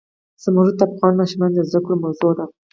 زمرد د افغان ماشومانو د زده کړې موضوع ده.